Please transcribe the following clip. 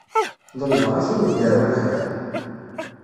Ḍelbeɣ-k-in ddeɛwa n lxir.